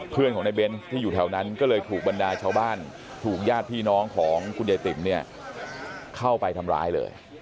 เพื่อนของในเบนส์ที่อยู่แถวนั้นก็เลยถูกบรรดาชาวบ้านถูกญาติพี่น้องของคุณยายติ๋มเนี่ยเข้าไปทำร้ายเลย